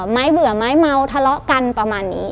ไม่เบื่อไม้เมาทะเลาะกันประมาณนี้